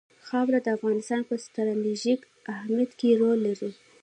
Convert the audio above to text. خاوره د افغانستان په ستراتیژیک اهمیت کې رول لري.